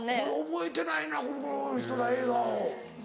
覚えてないなこの人ら映画を。